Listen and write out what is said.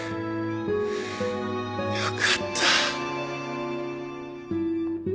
よかった